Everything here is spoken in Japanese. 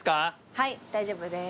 はい大丈夫です。